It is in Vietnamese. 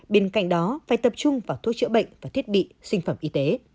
bên cạnh đó phải tập trung vào thuốc chữa bệnh và thiết bị sinh phẩm y tế